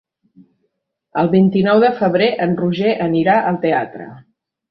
El vint-i-nou de febrer en Roger anirà al teatre.